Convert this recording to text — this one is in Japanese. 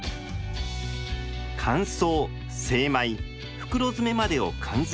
乾燥精米袋詰めまでを完全自動化。